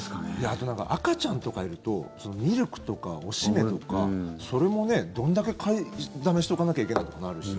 あと赤ちゃんとかいるとミルクとか、おしめとかそれもどれだけ買いだめしておかなきゃいけないのってなるし。